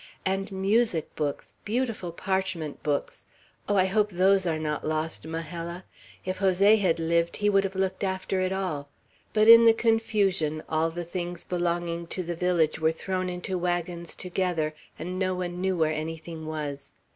And music books, beautiful parchment books! Oh, I hope those are not lost, Majella! If Jose had lived, he would have looked after it all. But in the confusion, all the things belonging to the village were thrown into wagons together, and no one knew where anything was.